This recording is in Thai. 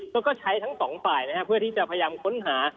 แล้วก็ใช้ทั้งสองฝ่ายนะครับเพื่อที่จะพยายามค้นหา